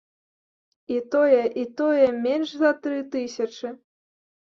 І тое, і тое менш за тры тысячы.